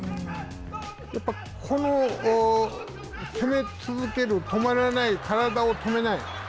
やっぱりこの攻め続ける止まらない体を止めない。